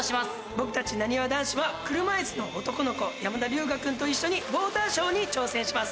僕たちなにわ男子は車いすの男の子山田龍芽君と一緒にウォーターショーに挑戦します。